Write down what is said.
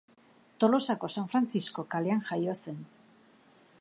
Tolosako San Frantzisko kalean jaio zen.